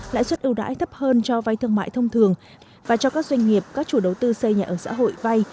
lãi suất yêu đáy thấp hơn cho vai thương mại thông thường và cho các doanh nghiệp các chủ đầu tư xây nhà ở xã hội vai